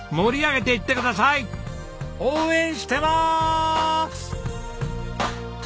応援してます！